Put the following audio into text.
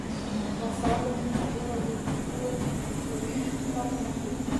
باسواده میندې د لور او زوی فرق نه کوي.